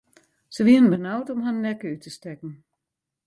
Se wienen benaud om harren nekke út te stekken.